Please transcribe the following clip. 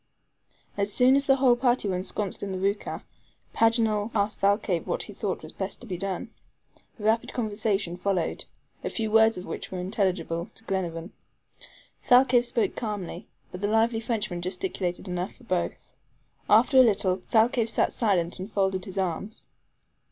As soon as the whole party were ensconced in the ROUKAH, Paganel asked Thalcave what he thought was best to be done. A rapid conversation followed, a few words of which were intelligible to Glenarvan. Thalcave spoke calmly, but the lively Frenchman gesticulated enough for both. After a little, Thalcave sat silent and folded his arms.